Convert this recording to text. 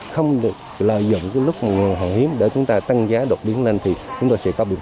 không được lợi dụng lúc nguồn hàng hiếm để chúng ta tăng giá đột biến lên thì chúng ta sẽ có biện